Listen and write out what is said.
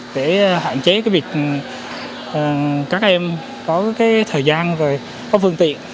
để hạn chế việc các em có thời gian phương tiện